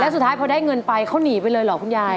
สุดท้ายพอได้เงินไปเขาหนีไปเลยเหรอคุณยาย